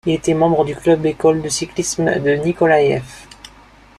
Il était membre du club Ecole de cyclisme de Nikolaev.